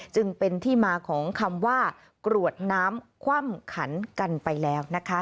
จึงเป็นที่มาของคำว่ากรวดน้ำคว่ำขันกันไปแล้วนะคะ